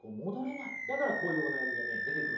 だからこういうお悩みが出てくるんだと思いますよ。